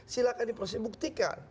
silahkan diproses buktikan